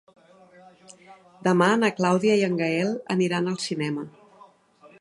Demà na Clàudia i en Gaël aniran al cinema.